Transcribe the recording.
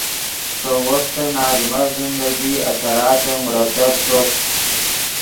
سؤ وختن آدمف زندگی اثراتے مرتب ݰوت